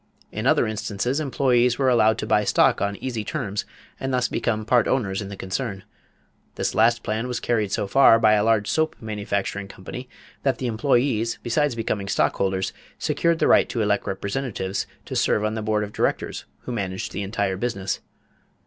In other instances, employees were allowed to buy stock on easy terms and thus become part owners in the concern. This last plan was carried so far by a large soap manufacturing company that the employees, besides becoming stockholders, secured the right to elect representatives to serve on the board of directors who managed the entire business.